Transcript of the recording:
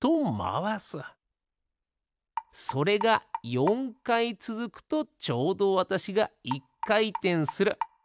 それが４かいつづくとちょうどわたしが１かいてんする。